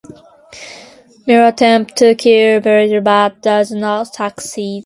Mel attempts to kill the Valeyard but does not succeed.